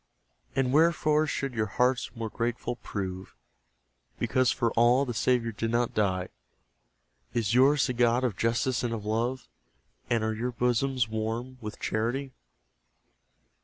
And, wherefore should your hearts more grateful prove, Because for ALL the Saviour did not die? Is yours the God of justice and of love? And are your bosoms warm with charity?